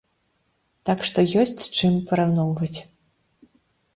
Так што ёсць з чым параўноўваць.